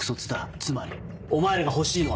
つまりお前らが欲しいのは。